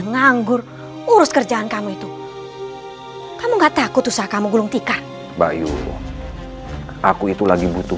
nganggur urus kerjaan kamu itu kamu gak takut susah kamu gulung tikar bayu aku itu lagi butuh